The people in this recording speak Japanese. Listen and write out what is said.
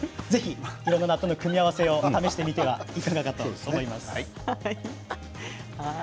いろんな納豆の組み合わせを試してみてはいかがでしょうか。